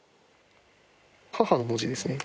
母の文字ですね。